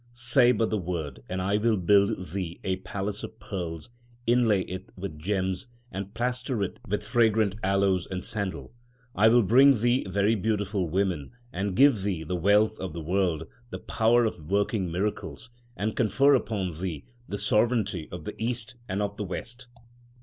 Say but the word, and I will build thee a palace of pearls, inlay it with gems, and plaster it with fragrant aloes and sandal. I will bring thee very beautiful women, and give thee the wealth of the world, the power of working miracles, and confer upon thee the sovereignty of the East and of the West.